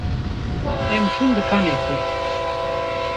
Em çûn dikanekê.